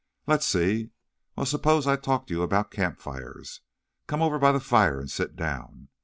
"Let's see. Well, suppose I talk to you about campfires. Come over by the fire and sit down.